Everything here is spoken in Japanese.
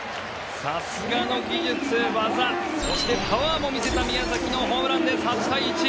さすがの技術、技そしてパワーも見せた宮崎のホームラン、８対１。